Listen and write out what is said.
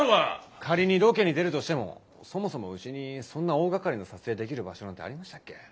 仮にロケに出るとしてもそもそもうちにそんな大がかりな撮影できる場所なんてありましたっけ？